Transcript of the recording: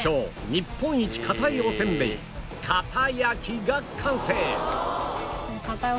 「日本一かたいおせんべい」かた焼が完成